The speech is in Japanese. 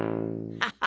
ハハハハ。